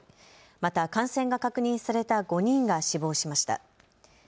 また、感染が確認された５人が死亡しました。